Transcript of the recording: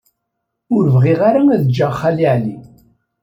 Ur bɣiɣ ara ad ǧǧeɣ Xali Ɛli.